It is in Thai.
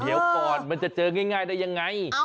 เดี๋ยวก่อนมันจะเจอง่ายได้ยังไง